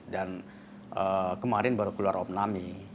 dan kemarin baru keluar om nami